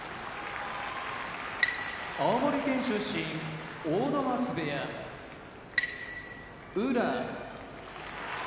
青森県出身阿武松部屋宇良